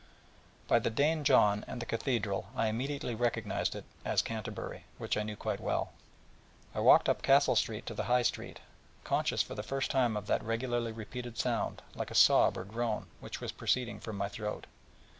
By the Dane John and the Cathedral, I immediately recognised it as Canterbury, which I knew quite well. And I walked up Castle Street to the High Street, conscious for the first time of that regularly repeated sound, like a sob or groan, which was proceeding from my throat.